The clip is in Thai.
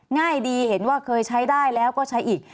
ง่ายดีเห็นว่าเคยใช้ได้แล้วก็ใช้อีก